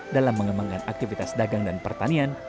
dalam mengembangkan aktivitas dagang dan pertanian